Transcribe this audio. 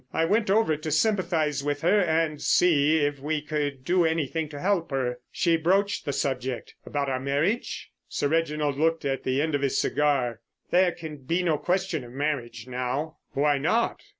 I went over to sympathise with her and see if we could do anything to help her. She broached the subject." "About our marriage?" Sir Reginald looked at the end of his cigar. "There can be no question of marriage now." "Why not?"